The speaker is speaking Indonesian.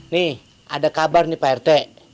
nih ada kabar nih pak rt